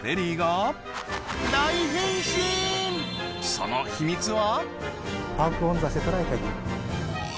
その秘密は？